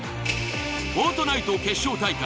『フォートナイト』決勝大会。